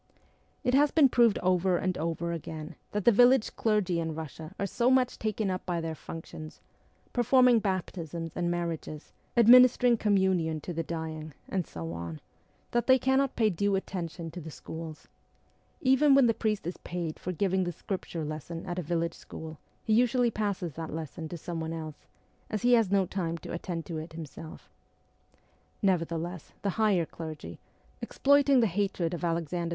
It has been proved over and over again that the village clergy in Eussia are so much taken up by their functions performing baptisms and marriages, ad ministering Communion to the dying, and so on that they cannot pay due attention to the schools ; even when the priest is paid for giving the Scripture lesson at a village school he usually passes that lesson to some one else, as he has no time to attend to it himself. Nevertheless the higher clergy, exploiting the hatred of Alexander II.